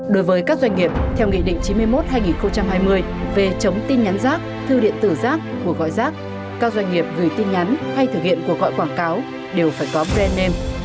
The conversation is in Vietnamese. đối với các doanh nghiệp theo nghị định chín mươi một hai nghìn hai mươi về chống tin nhắn rác thư điện tử rác cuộc gọi rác các doanh nghiệp gửi tin nhắn hay thực hiện cuộc gọi quảng cáo đều phải có brand name